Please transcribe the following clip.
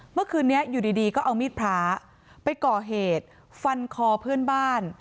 เมื่อคืนนี้อยู่ดีก็เอามีดพระไปก่อเหตุฟันคอเพื่อนบ้าน